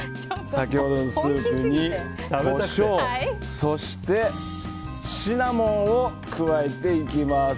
先ほどのスープにコショウそしてシナモンを加えていきます。